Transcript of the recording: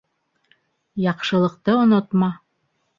Яҡшылыҡты онотма.